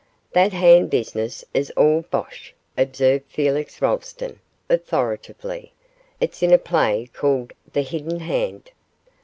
'That hand business is all bosh,' observed Felix Rolleston, authoritatively; 'it's in a play called "The Hidden Hand".